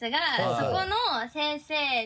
そこの先生に。